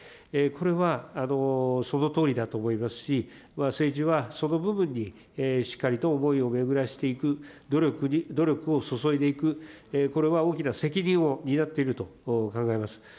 これはそのとおりだと思いますし、政治はその部分にしっかりと思いを巡らせていく、努力を注いでいく、これは大きな責任を担っていると考えます。